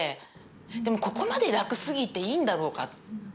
でもここまで楽すぎていいんだろうか。